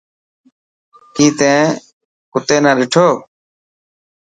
ڪي تين ڪتي نا ڏٺو.